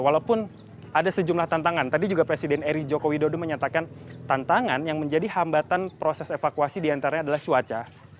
walaupun ada sejumlah tantangan tadi juga presiden eri joko widodo menyatakan tantangan yang menjadi hambatan proses evakuasi diantaranya adalah cuaca